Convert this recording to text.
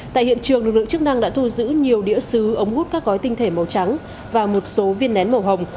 tại hiện trường lực lượng chức năng đã thu giữ nhiều đĩa xứ ống hút các gói tinh thể màu trắng và một số viên nén màu hồng